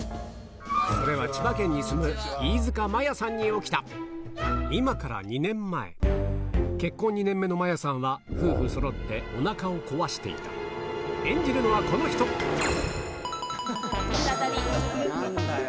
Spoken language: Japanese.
それは千葉県に住む飯塚麻耶さんに起きた今から結婚２年目の麻耶さんは夫婦そろっておなかをこわしていた演じるのはこの人何だよ。